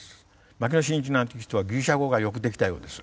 牧野信一なんていう人はギリシャ語がよくできたようです。